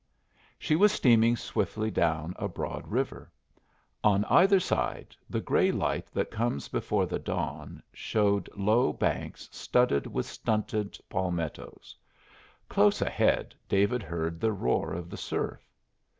She was steaming swiftly down a broad river. On either side the gray light that comes before the dawn showed low banks studded with stunted palmettos. Close ahead David heard the roar of the surf.